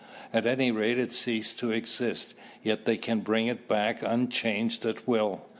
At any rate it ceased to exist, yet they can bring it back unchanged at will.